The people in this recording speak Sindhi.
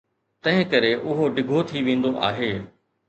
تنهنڪري اهو ڊگهو ٿي ويندو آهي.